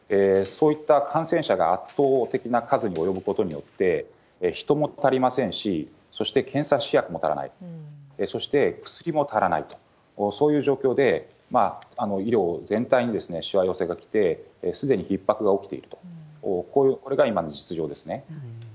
そういった感染者が圧倒的な数に及ぶことによって人も足りませんし、そして検査試薬も足らない、そして薬も足らないと、そういう状況で、医療全体にしわ寄せがきて、すでにひっ迫が起きていると、これが今の実情ですね。